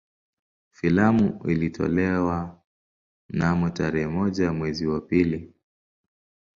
Filamu ilitolewa mnamo tarehe moja mwezi wa pili